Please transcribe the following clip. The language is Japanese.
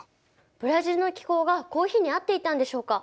ブラジルの気候がコーヒーに合っていたんでしょうか？